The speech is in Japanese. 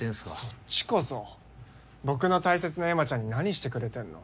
そっちこそ僕の大切なエマちゃんに何してくれてんの？